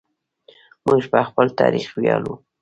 موږ په خپل تاریخ ویاړو.